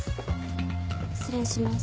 失礼します。